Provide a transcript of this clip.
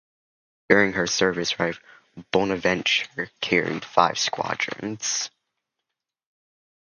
During her service life, "Bonaventure" carried five squadrons.